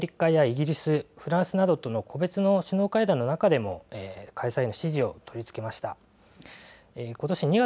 またアメリカやイギリスフランスなどとの個別の首脳会談の中でも開催への支持を取りつけました。